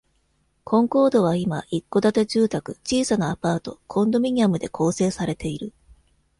コンコードは今、一戸建て住宅、小さなアパート、コンドミニアムで構成されている。